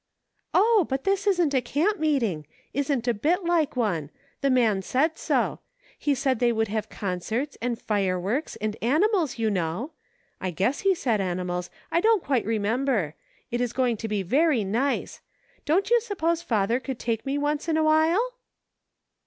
" Oh ! but this isn't a camp meeting ; isn't a bit like one ; the man said so. He said they would have concerts, and fireworks, and animals, you know ; I guess he said animals, I don't quite re member. It is going to be very nice. Don't you suppose father could take me once in awhile